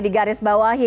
di garis bawahi